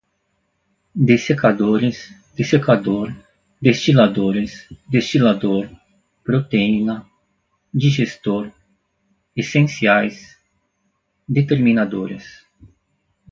dessecadores, dessecador, destiladores, destilador, proteína, digestor, essenciais, determinadores